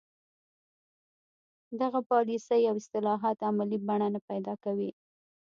دغه پالیسۍ او اصلاحات عملي بڼه نه پیدا کوي.